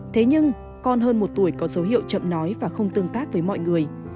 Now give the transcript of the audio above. thế nhưng con hơn một tuổi có dấu hiệu chậm nói và không tương tác với mọi người